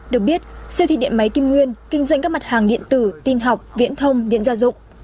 được biết siêu thị điện máy kim nguyên kinh doanh các mặt hàng điện tử tin học viễn thông điện gia dụng